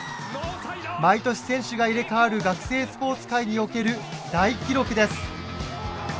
毎年選手が入れ代わる学生スポーツ界における大記録です。